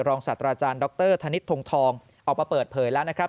ศาสตราจารย์ดรธนิษฐทงทองออกมาเปิดเผยแล้วนะครับ